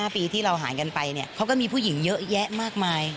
๕ปีที่เราห่างกันไปเนี่ยเขาก็มีผู้หญิงเยอะแยะมากมาย